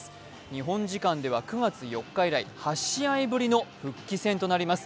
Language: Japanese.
日本時間では９月４日以来８試合ぶりの復帰戦となります。